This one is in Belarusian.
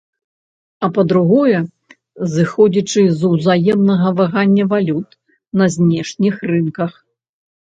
А па-другое, зыходзячы з узаемнага вагання валют на знешніх рынках.